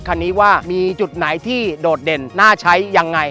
คันนี้ว่ามีจุดไหนที่โดดเด่นน่าใช้ยังไง